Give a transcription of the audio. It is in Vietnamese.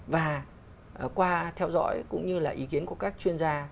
và qua theo dõi cũng như là ý kiến của các chuyên gia